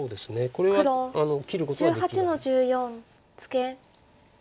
これは切ることはできない。